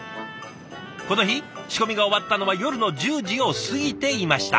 この日仕込みが終わったのは夜の１０時を過ぎていました。